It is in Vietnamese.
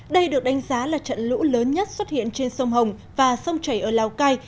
đây được đánh giá là trận lũ lớn nhất xuất hiện trên sông hồng và sông chảy ở lào cai